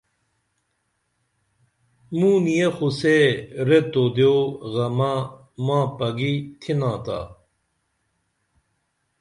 موں نِیہ خو سے ریت دیو غمہ ماں پگی تِھنا تا